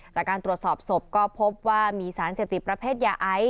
จากการตรวจสอบศพก็พบว่ามีสารเสพติดประเภทยาไอซ